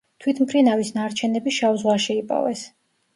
თვითმფრინავის ნარჩენები შავ ზღვაში იპოვეს.